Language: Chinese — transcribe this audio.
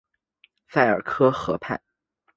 埃尔夫河畔圣乔治。